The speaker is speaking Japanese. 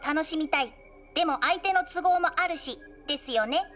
でも相手の都合もあるしですよね？